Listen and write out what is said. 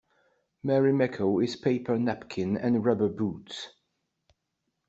Marimekko is paper napkins and rubber boots.